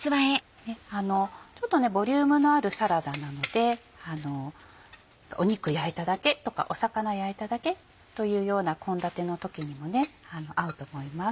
ちょっとボリュームのあるサラダなので肉焼いただけとか魚焼いただけというような献立の時にも合うと思います。